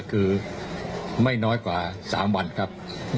คือไม่น้อยกว่า๓วันครับ